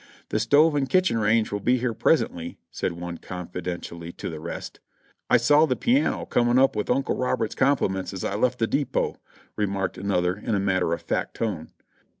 "The stove and kitchen range will be here presently," said one confidentially to the rest. "I saw the piano coming with Uncle Robert's compliments as I left the depot." remarked another in a matter of fact tone.